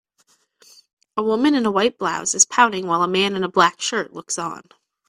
A woman in a white blouse is pouting while a man in a black shirt looks on.